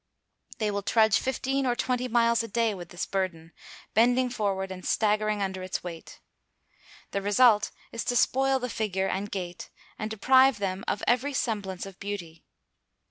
They will trudge fifteen or twenty miles a day with this burden, bending forward, and staggering under its weight. The result is to spoil the figure and gait, and deprive them of every semblance of beauty.